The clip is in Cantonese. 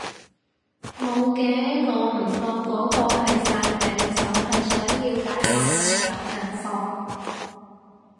無嘅，我唔當嗰啲係曬命，真係想了解下朋友近況